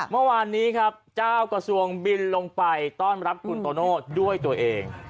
เมื่อวานนี้ครับเจ้ากระทรวงบินลงไปต้อนรับคุณโตโน่ด้วยตัวเอง